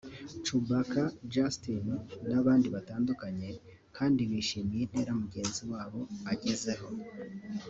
Cubaka Justin n’abandi batandukanye kandi bishimiye intera mugenzi wabo agezeho